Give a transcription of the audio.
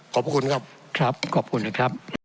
ขอบคุณครับครับขอบคุณนะครับ